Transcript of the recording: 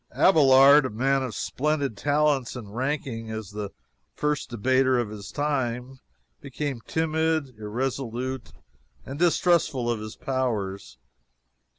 Abelard, a man of splendid talents, and ranking as the first debater of his time, became timid, irresolute, and distrustful of his powers.